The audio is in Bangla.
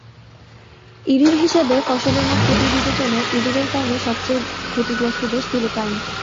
ইরির হিসাবে, ফসলের মোট ক্ষতির বিবেচনায় ইঁদুরের কারণে সবচেয়ে ক্ষতিগ্রস্ত দেশ ফিলিপাইন।